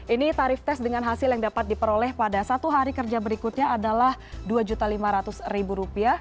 ini tarif tes dengan hasil yang dapat diperoleh pada satu hari kerja berikutnya adalah rp dua lima ratus